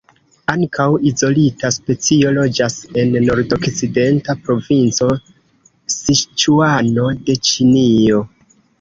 Ankaŭ izolita specio loĝas en nordokcidenta provinco Siĉuano de Ĉinio.